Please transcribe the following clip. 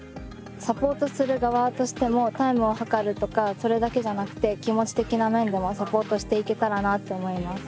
サポートする側としてもタイムを測るとかそれだけじゃなくて気持ち的な面でもサポートしていけたらなって思います。